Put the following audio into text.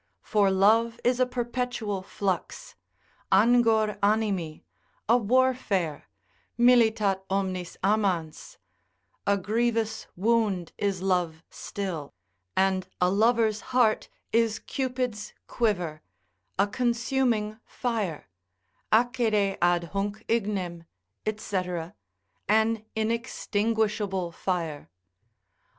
For love is a perpetual flux, angor animi, a warfare, militat omni amans, a grievous wound is love still, and a lover's heart is Cupid's quiver, a consuming fire, accede ad hunc ignem, &c. an inextinguishable fire.